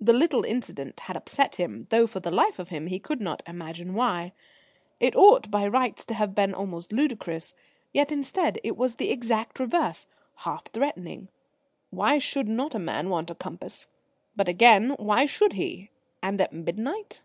The little incident had upset him, though for the life of him he could not imagine why. It ought by rights to have been almost ludicrous, yet instead it was the exact reverse half threatening. Why should not a man want a compass? But, again, why should he? And at midnight?